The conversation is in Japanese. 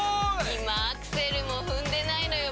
今アクセルも踏んでないのよ